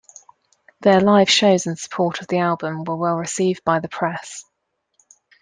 Their live shows in support of the album were well received by the press.